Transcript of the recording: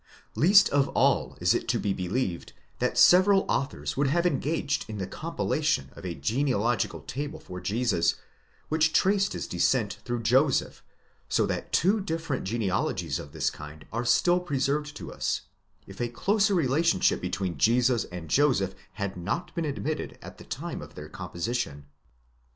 Least of all is it to be believed, that several authors would have engaged in the compilation of a genealogical table for Jesus which traced his descent through Joseph, so that two different genea logies of this kind are still preserved to us, if a closer relationship between Jesus and Joseph had not been admitted at the time of their composition.